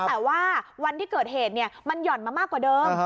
แต่ว่าวันที่เกิดเหตุมันหย่อนมามากกว่าเดิม